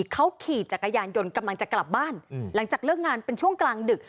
เขาขี่จักรยานยนต์กำลังจะกลับบ้านหลังจากเลิกงานเป็นช่วงกลางดึก